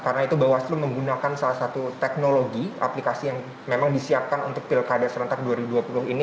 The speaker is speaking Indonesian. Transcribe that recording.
karena itu bawaslu menggunakan salah satu teknologi aplikasi yang memang disiapkan untuk pilkada serentak dua ribu dua puluh ini